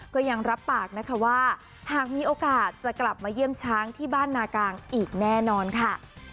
ก็ยังรับปากนะคะว่าหากมีโอกาสจะกลับมาเยี่ยมช้างที่บ้านนากลางอีกแน่นอนค่ะ